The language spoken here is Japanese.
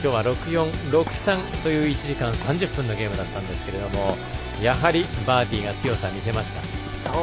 ６−４、６−３という１時間３０分のゲームだったんですがやはりバーティが力を見せました。